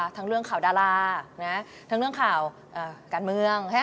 ทั้งเรื่องข่าวดาราทั้งเรื่องข่าวการเมือง